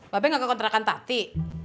babe gak ke kontrakan tati